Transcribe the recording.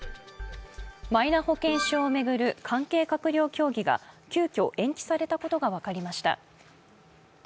マイナ保険証を巡る関係閣僚協議が急きょ延期されたことが分かりました。